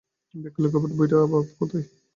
বেয়াক্কেল গবেট বুইড়া ভাম কোথাকার!